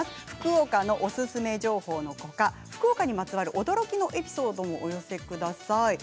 福岡のおすすめ情報のほか福岡にまつわる驚きのエピソードもお寄せください。